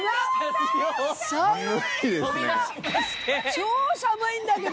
超寒いんだけど！